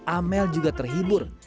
amel juga terhibur